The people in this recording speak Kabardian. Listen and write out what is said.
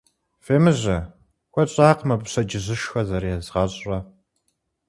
Фемыжьэ, куэд щӀакъым абы пщэдджыжьышхэ зэрезгъэщӀрэ.